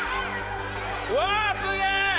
うわすげえ。